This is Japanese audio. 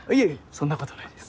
そんなことないです。